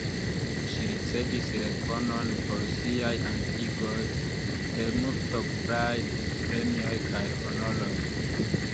Ŝi ricevis rekonon por siaj atingoj per multoblaj premioj kaj honoroj.